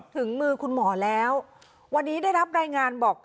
ถึงมือคุณหมอแล้ววันนี้ได้รับรายงานบอก